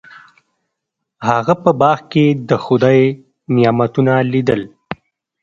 هغه په باغ کې د خدای نعمتونه لیدل.